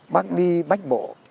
bác đi bách bộ